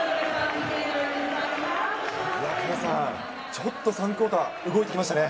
圭さん、ちょっと３クオーター、動いてきましたね。